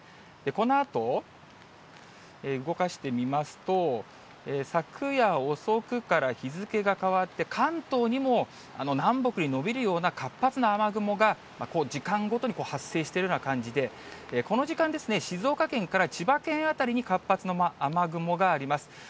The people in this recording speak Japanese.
このあと動かしてみますと、昨夜遅くから日付が変わって、関東にも南北に延びるような活発な雨雲が、時間ごとに発生しているような感じで、この時間、静岡県から千葉県辺りに活発な雨雲があります。